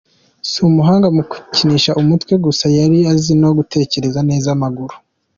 Si umuhanga mu gukinisha umutwe gusa yari azi no guteresha neza amaguru.